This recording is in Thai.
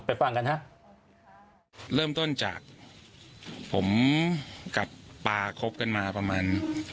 ฟังกันฮะเริ่มต้นจากผมกับปลาคบกันมาประมาณ